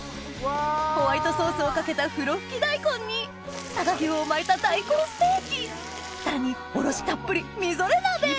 ホワイトソースをかけたふろふき大根に佐賀牛を巻いた大根ステーキさらにおろしたっぷりみぞれ鍋！